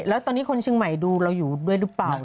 แล้วตอนนี้คนเชียงใหม่ดูเราอยู่ด้วยหรือเปล่า